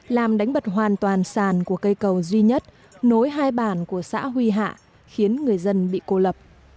làm đánh bật hoàn toàn sàn của cây cầu duy nhất nối hai bản của xã huy hạ khiến người dân bị cô lập